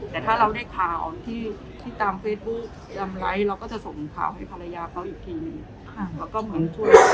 แต่ถ้าเราได้ข่าวที่ตามเฟซบุ๊กดำไลค์เราก็จะส่งข่าวให้ภรรยาเขาอีกทีหนึ่ง